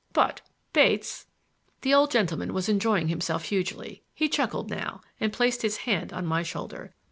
But, Bates—" The old gentleman was enjoying himself hugely. He chuckled now, and placed his hand on my shoulder.